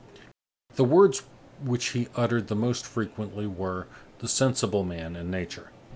The words which he uttered the most frequently were: the sensible man, and nature.